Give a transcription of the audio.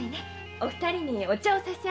お二人にお茶を。